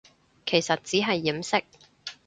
其實只係掩飾